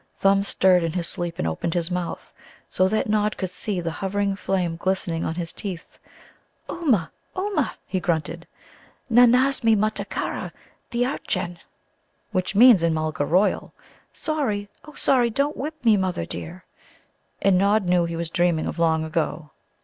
Thumb stirred in his sleep and opened his mouth, so that Nod could see the hovering flame glistening on his teeth. "Oohmah, oohmah," he grunted, "na nasmi mutta kara theartchen!" Which means in Mulgar royal: "Sorry, oh sorry, don't whip me, mother dear!" And Nod knew he was dreaming of long ago.